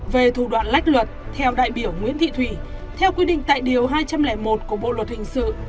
về thủ đoạn lách luật theo đại biểu nguyễn thị thủy theo quy định tại điều hai trăm linh một của bộ luật hình sự